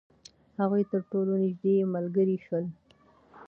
هغوی تر ټولو نژدې ملګري شول.